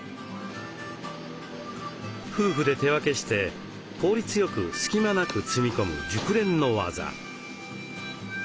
夫婦で手分けして効率よく隙間なく積み込む熟練の技。